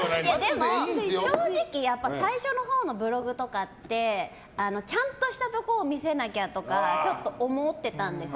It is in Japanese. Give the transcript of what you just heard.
でも正直最初のほうのブログとかってちゃんとしたところを見せなきゃとかちょっと思ってたんです。